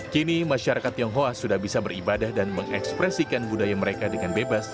kini masyarakat tionghoa sudah bisa beribadah dan mengekspresikan budaya mereka dengan bebas